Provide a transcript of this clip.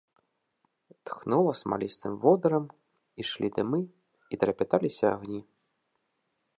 Тхнула смалістым водырам, ішлі дымы, і трапяталіся агні.